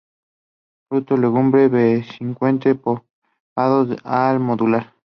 Fruto legumbre dehiscente, pardos al madurar.